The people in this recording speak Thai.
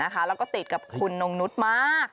และติดกับคุณโน่งนุดมาก